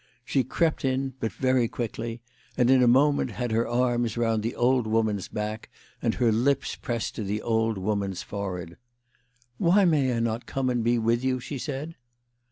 She crept in, but very quickly, and in a moment had her arms round the old woman's back and her lips pressed to the old woman's forehead. " Why may not I come and be with you ?" she said.